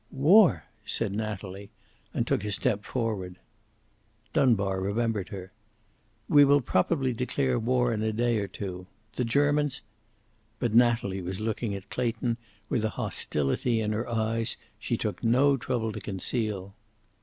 "War!" said Natalie, and took a step forward. Dunbar remembered her. "We will probably declare war in a day or two. The Germans..." But Natalie was looking at Clayton with a hostility in her eyes she took no trouble to conceal.